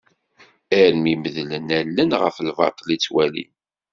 Armi medlen allen ɣef lbaṭel i ttwalin.